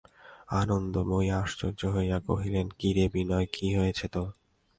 আনন্দময়ী আশ্চর্য হইয়া কহিলেন, কী রে বিনয়, কী হয়েছে তোর?